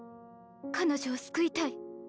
彼女を救いたい。